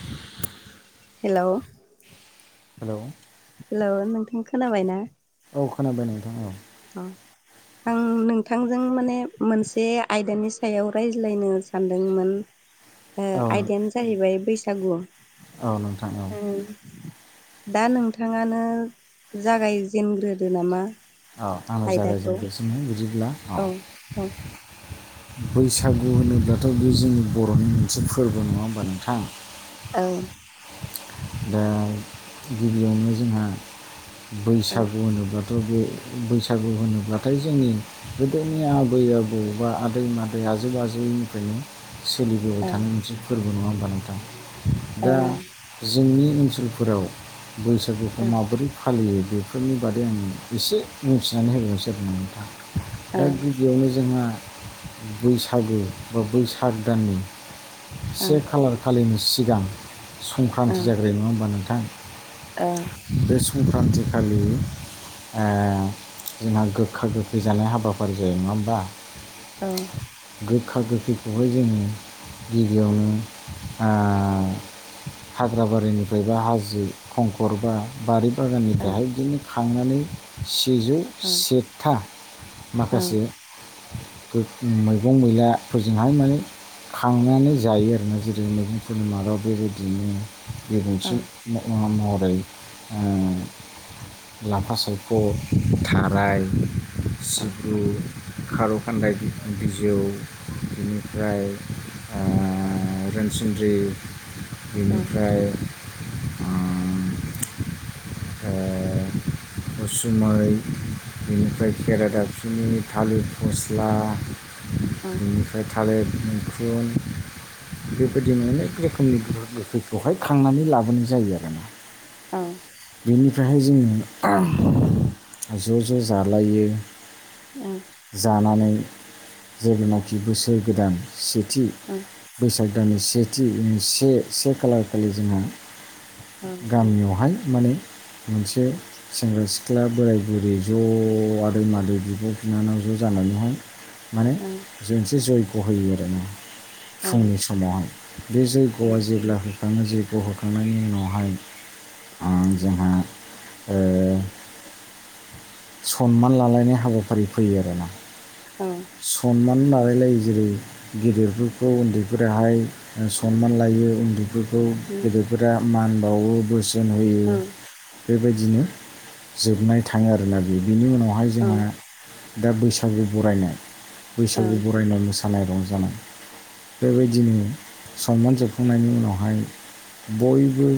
[inaudible] Hello hello hello नोंथां खोनाबायना औ खोनाबाय नोंथां औ औ आं नोंथांजों माने मोनसे आयदानि सायाव रायज्लायनो सानदोंमोन औ नों आयदायानो जाहैबाय बैसागु औ नोंथां औ ओम दा नोंथांङानो जागायजेनग्रोदो नामा औ आं जागाय आयदाखौ जेनोसोय बिदिब्ला औ - औ बैसागु होनोब्लाथ' बे जोंनि बर'नि मोनसे फोरबो नंङा होमबा नोंथां औ दा गिबियावनो जोंहा औ बैसागु होनोब्लाथ' बे बैसागु होनोब्लाथाय जोंनि गोदोनि आबै आबौ बा आदै मादै आजै आजौ बेनिफ्रायनो सोलिबोबाय थानाय मोनसे फोरबो नंङा होमबा नोंथां ए दा जोंनि ओनसोलफोराव बैसागुखौ माबोरै फालियो बेफोरनि बादै आं एसे मिथिनानै होबायस नोथां औ दा गिबियावनो जोंहा बैसागो बा बैसाग दाननि औ से खालार खालिनि सिगां संक्रान्ति जाग्राय नंङा होमबा नोंथां ओ बे संक्रान्ति खालि जोंहा गोखा गोखै जानाय हाबाफारि जायो नंङा होमबा औ गोखा गोखैखौहाय जोंङो गिबियावनो हाग्राबारिनिफ्राय बा हाजो खंखर बा बारि बागाननिफ्रायहाय बिदिनो खांनानै सेजौ सेथा माखासे मैगं मैलाफोरजोंहाय माने खांनानै जायो आरो ना जेरै मैगंफोरनि मादाव बेबायदिनो गेगंसि महरै लाफा सायख थाराय सिब्रु खारु खान्दाय बिजौ बिनिफ्राय रोनसोनन्द्रि बेनि ओमफ्राय उसुमै बेनिफ्राय खेरादाबसुनि थालिर फस्ला बेनिफ्राय थालिर मैखुन बेबायदिनो अनेक रोखोमनि‌‌ गोबां गोबां बेवहाय खांनानै लाबोनाय जायो आरो ना औ बेनिफ्रायहाय जोंङो ज' ज' जालायो जानानै जेब्लानाखि बोसोर गोदान सिब सेथि बैसाग दाननि सेथि से से खालार खालि जोंहा गामियावहाय माने मोनसे सेंग्रा सिख्ला सिख्ला बोराय बुरि ज' आदै मादै बिब' बिनानाव ज' जानानैहाय माने जोंसे जयग' होयो आरो ना फुंनि समाव बे जग'आ जेब्ला नो जग होखांनायनि उनावहाय आं जोंहा ओ सनमान लालायनाय हाबाफारि फैयो आरोना। सनमान लालायलायो जेरै गेदेरफोरखौ उन्दैफोराहाय सनमान लायो उन्दै बेखौ गेदेरफोरा मान बावो बोसोन होयो। औ बेबायदिनो जोबनाय थांङो आरोना बे बिनि उनावहाय औ जोंहा दा बैसागु बरायनाय बैसागु बरायनायाव मोसानाय रंजानाय बेबायदिनो सनमान जोबखांनायनि उनावहाय बयबो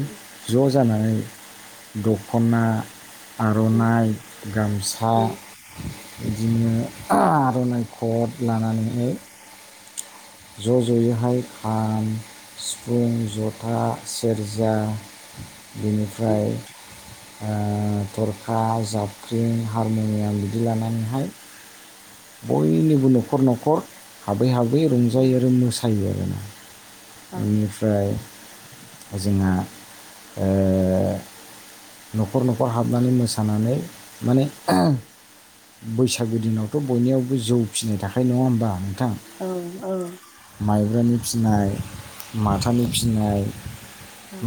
ज' जानानै दख'ना आर'नाइ गामसा बिदिनो आर'नाइ खद लानानैहाय ज' ज'यैहाय खाम सिफुं जथा सेरजा बेनिफ्राय आं थरखा जाबख्रिं हारमुनियाम बिदि लानानैहाय बयनिबो न'खर न'खर हाबै हाबै रंजायो आरो मोसायो आरोना। बेनिफ्राय जोंहा न'खर न'खर हाबनानै मोसानानै माने बैसागो दिनाव थ' बयनियावबो जौ फिसिनाय थाखायो नङा होमबा नोंथां माइब्रानि फिनाय माथाानि फिनाय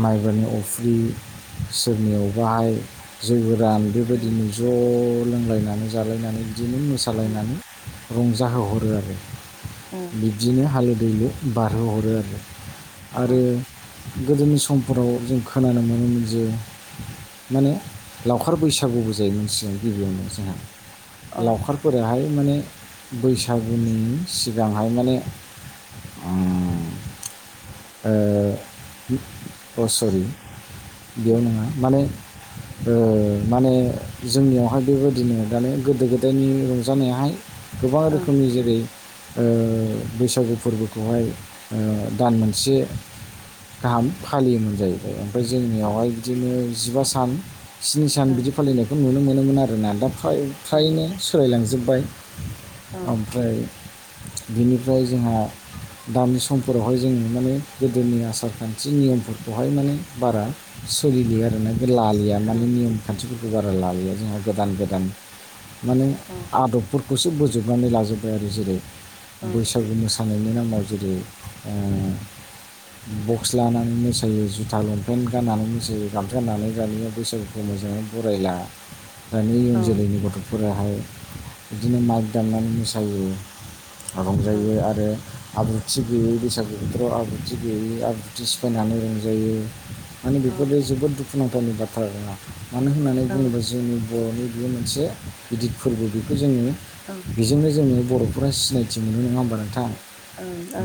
माइब्रानि अफ्रि सोरनियाव बाहाय जै गोरान बेबायदिनो ज' लोंलायनानै जालायनानै बिदिनो मोसालायनानै रंजाहोहरो आरो। बिब्दिनो हालो दैलो बारहोहरो आरो। आरो गोदोनि समफोराव जों खोनानो मोनोमोन जे माने लावखार बैसागुबो जायो मानसिया गिबियावनो जोंहा लावखार बेहाय माने बैसागुनि सिगांहाय माने आ ओ अ सरि। बेयाव नङा माने ओ माने जोंनियावहाय बेबायदिनो दालाय गोदो गोदायनि रंजानायाहाय गोबां रोखोमनि जेरै ओ बैसागु फोरबोखौहाय दान मोनसे गाहाम फालियोमोन जाहैबाय ओमफ्राय जोंनियावहाय बिदिनो जिबा सान स्नि सान बिदि फालिनायखौ नुनो मोनोमोन आरोना दा फ्राय फ्रायनो लांजोब्बाय ओमफ्राय बिनिफ्राय जोंहा दामानि समफोरावहाय जोङो माने गोदोनि आसारखान्थि थि नियमफोरखौहाय माने बारा सोलियो आरो ना बे लालिया माने नियम खान्थिफोरखौ बारा लालिया जोंहा गोदान गोदान माने आदबफोरखौसो बोजोबनानै लाजोबबाय आरो जेरै बैसागु मोसानायनि नामाव जेरै आ बक्स लानानै मोसायो जुथा लंपेन्ट गाननानै मोसायो गामसा गाननानै दानिया बैसागुखौ मोजांङै बरायला दानि इयुन जोलैनि गथ'फोराहाय बिदिनो माइक दामनानै मोसायो रंजायो आरो आब्रुथि गैयै बैसागु बोथोराव आब्रुथि गैयि आब्रुथि सिफायनानै रंजायो माने बेफोरो जोबोद दु खुनांथावनि बाथ्रा नङा मानो होननानै बुङोब्ला जोंनि बर'नि बेयो मोनसे गिदिर फोरबो बेखौ जोङो बेजोंनो जोङो बर'फोरा सिनायथि मोनो नङा होमबा नोंथां।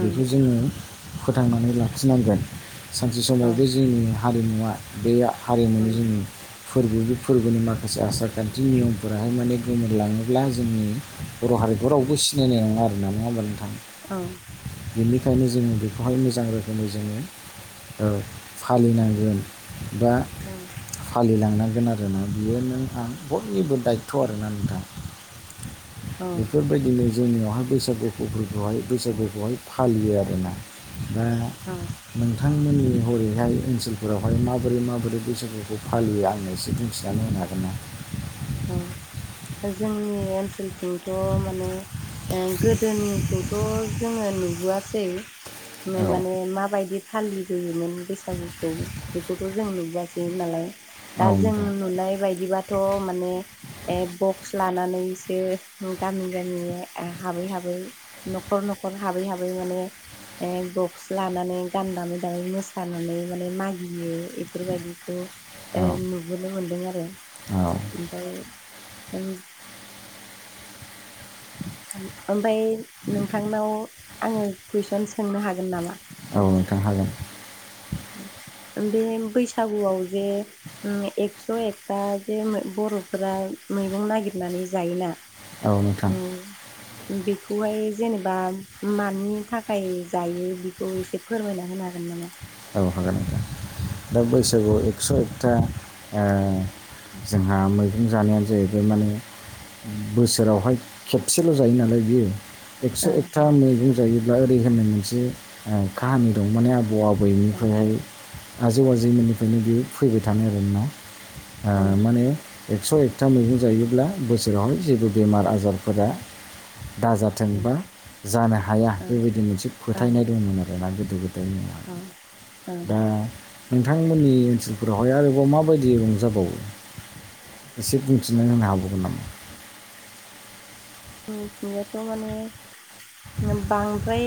बेखौ जोङो फोथांनानै लाखिनांगोन। सानसे समाव बे जोंनि हारिमुवा बे हारिमुनि जोंनि फोरबो बे फोरबोनि माखासे आसार खान्थि नियमफोराहाय माने गोमोरलाङोब्ला जोंनि बर' हारिखौ रावबो सिनायनाय नङा आरो ना नङा होमब नोंथां। बेनिखायनो जोङो बेखौहाय मोजां रोखोमै जोङो फालिनांगोन बा फालिलांनांगोन आरो ना बियो नों आं बयनिबो दायथ' आरो नोथां बेफोरबायदि लोगो जोंनियावहाय बैसागु फोरुफोरखौहाय बैसागुखौहाय फालियो आरोना दा नोंथांमोननि हरैहाय ओनसोलफोरावहाय माबोरै माबोरै बैसागुखौ फालियो आंनो एसे बुंथिनानै होनो हागोन ना? औ जोंनि ओनसोलथिंथ' माने ओ गोदोनिखौथ' जोङो नुबोआसै ने माने माबायदि फालिबोयोमोन बैसागुखौ बेखौथ' जों नुुबोआसै नालाय दा हागोन जों ना नुनाय बायदिबाथ' मा ने ए बक्स लानानैसो गामि गामि हाबै हाबै न'खर न'खर हाबै हाबै माने बक्स लानानै गान दामै दामै मोसानानै माने मागियो एफोरबायदिखौ औ नुबोनो मोनदों आरो औ ओमफाय ओम ओमफाय नोंथांनाव आङो कुइसन सोंनो हागोन नामा औ नोंथां हागोन [unintelligible] बे बैसागुआव जे एक्स' उम एकथा जे बर'फोरा मैगं नागिरनानै जायोना औ नोंथां उम बेखौहाय जेनेबा मानि थाखाय जायो बेखौ एसे फोरमायना होनो हागोन नामा औ हागोन नोंथां दा बैसागुआव एक्स' एकथा ओ जोंहा मै गं जानायानो जाहैबाय माने बोसोरावहाय खेबसेल' जायो नालाय बियो एक्स' ओं एकथा मैगं जायोब्ला ओरै होननाय मोनसे काहानि दं माने आबौ आ बयनिफ्रायहाय आजै आजैमोननिफ्रायनो बे फैबाय थानायानो आरोना ओं ओ माने एक्स' एकथा मैगं जायोब्ला बोसोरावहाय जेबो बेमार आजारफोरा दाजाथों ओं बा जानो हाया ओं बेबायदि मोनसे ओं फोथायनाय दंमोन आरोना गोदो गोदायनि [unintelligible] ओं ओं दा नोंथांमोननि ओनसोलफोरावहाय आरोबाव माबायदि रंजाबावो एसे बुंथिनानै होनो हाबावगोन नामा जोंथिंजायथ' माने बांद्राय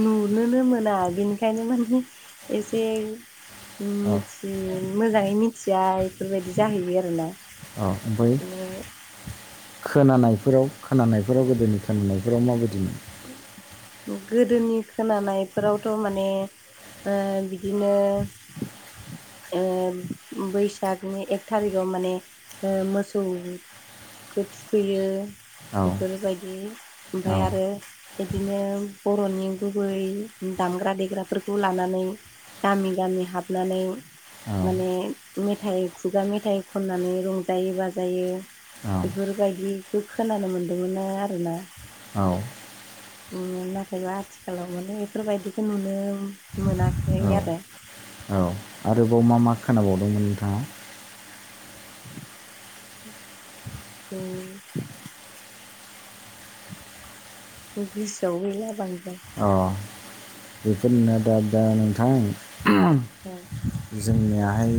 नुनोनो मोना बेनिखायनो माने एसे औ मिथि मोजाङै मिथिया इफोरबायदि जाहैयो आरोना औ ओमफ्राय माने खोनानायफोराव खोनानायफोराव गोदोनि खोनानायफोराव माबायदिमोन गोदोनि खोनानायफोरावथ' माने ओ बि दिनो ओ बैसागनि एक थारिगाव माने मोसौ खो थुखैयो औ बेफोरबायदि औ ओमफाय आरो बिदिनो बर'नि गुबै दामग्रा देग्राफोरखौ लानानै गामि गामि हाबनानै माने मेथाइ खुगा मेथाइ खननानै रंजायो बाजायो औ बेफोरबायदिखौ खोनानो मोनदोंमोन आरोना औ उम नाथायबा आथिखालाव माने एफोरबायदिखौ नुनो मोनाखै आरो बाव मा मा खोनाबावदोंमोन नोंथाङा [inaudible] औ [inaudible] गोसोआव गैला बां अ बेफोरनो दा दा नोंथां औ जोंनियाहाय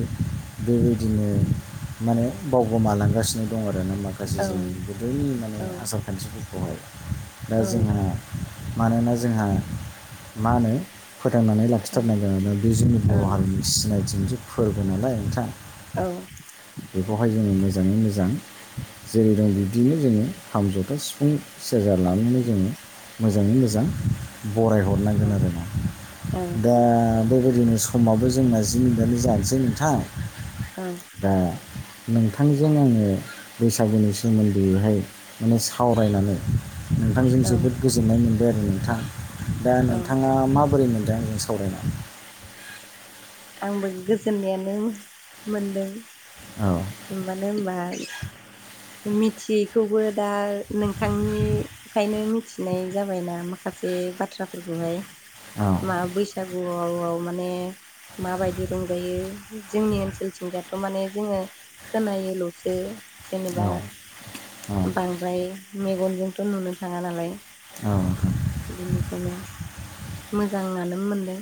बेबायदिनो माने बावगोमालांगासिनो दं आरोना माखासे औ जोंनि गोदोनि माने औ आसार खान्थिफोरखौहाय [inaudible] दा औ जोंहा मानोना जोंहा मा होनो फोथांनानै औ लाखिथारनांगोना बे जोंनि बर' हारिनि सिनायथिजों [inaudible] फोरबो नालाय नोंथा औ बेखौहाय जोङो मोजाङै मोजां जेरै दं बिब्दिनो जोङो खाम जथा सिफुं सेरजा लानानै जोङो मोजाङै मोजां बराय हरनांगोन आरोना औ दा बेबायदिनो समाबो जोंना जि दानि जानोसै नोंथां औ दा नोंथांजों आङो बैसागुनि सोमोन्दैयैहाय माने सावरायनानै नोंथांजों औ जोबोद गोजोननाय मोनबाय आरो नोंथां दा औ नोंथाङा माबोरै मोनदों? सावरायना आंबो गोजोननायानो मोन-मोनदों औ मानो होनबा ग [inaudible] मिथियैखौबो दा नोंथांनिफ्रायनो मिथिनाय जाबायना माखासे माखासे बाथ्राफोरखौहाय औ मा बैसागुआव माने माबायदि रंजायो जोंनि ओनसोलथिंजाथ' माने जोङो खोनायोल'सो जेनेबा औ औ बांद्राय मेगनजोंथ' नुनो थाङा नालाय औ बेनिखायनो मोजाङानो मोनदों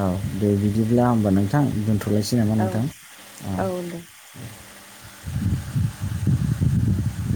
औ दे बिदिब्ला होमबा नोंथां दोनथ' थलायसै नामा औ नोंथां औ [inaudible]